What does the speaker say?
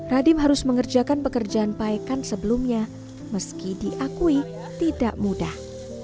radim harus mengerjakan pekerjaan paekan sebelumnya meski diakui tidak mudah